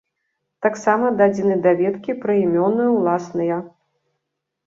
Таксама дадзены даведкі пра імёны уласныя.